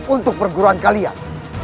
untuk perguruan kalian